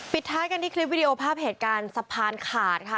ท้ายกันที่คลิปวิดีโอภาพเหตุการณ์สะพานขาดค่ะ